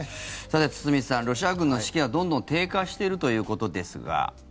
さて、堤さんロシア軍の士気はどんどん低下しているということですが。